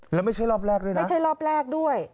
แล้วไม่ใช่รอบแรกด้วยนะไม่ใช่รอบแรกด้วย